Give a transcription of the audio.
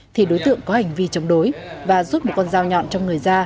thì đối tượng có hành vi chống đối và rút một con dao nhọn trong người ra